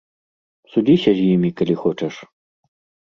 Судзіся з імі, калі хочаш!